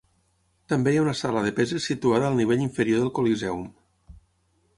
També hi ha una sala de peses situada al nivell inferior del Coliseum.